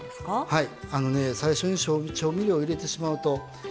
はい。